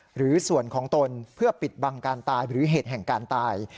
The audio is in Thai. หรือส่วนของตนเพื่อปิดบังการตายหรือเหตุแห่งการตาย